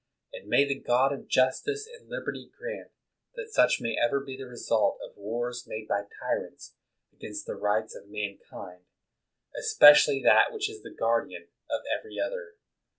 And may the God of justice and liberty grant that such may ever be the result of wars made by tyrants against the rights of mankind, espe cially that which is the guardian of every sther